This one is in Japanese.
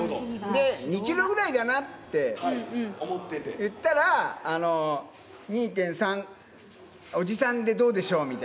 で、２キロぐらいだなって言ったら、２．３、おじさんでどうでしょう？